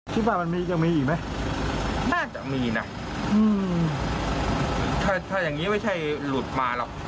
คิดว่ามันมียังมีอีกไหมน่าจะมีนะถ้าถ้าอย่างงี้ไม่ใช่หลุดมาหรอก